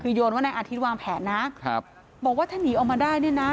คือโยนว่านายอาทิตย์วางแผนนะครับบอกว่าถ้าหนีออกมาได้เนี่ยนะ